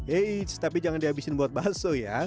eits tapi jangan dihabisin buat bakso ya